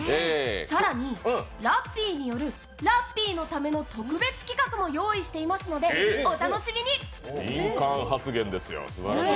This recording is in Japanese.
更に、ラッピーによるラッピーのための特別企画も用意していますので、お楽しみに。